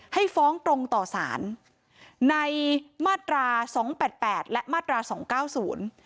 ให้ฟ้องตรงต่อสารในมาตราสองแปดแปดและมาตราสองเก้าศูนย์